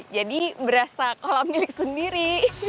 jadi berasa kolam milik sendiri